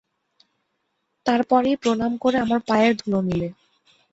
তার পরেই প্রণাম করে আমার পায়ের ধুলো নিলে।